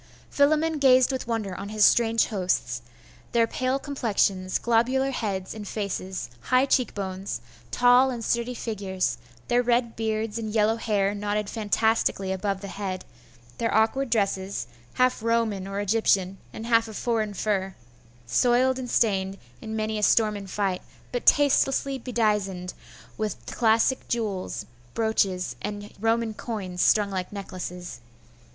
Philammon gazed with wonder on his strange hosts, their pale complexions, globular heads and faces, high cheek bones, tall and sturdy figures; their red beards, and yellow hair knotted fantastically above the head; their awkward dresses, half Roman or Egyptian, and half of foreign fur, soiled and stained in many a storm and fight, but tastelessly bedizened with classic jewels, brooches, and Roman coins, strung like necklaces.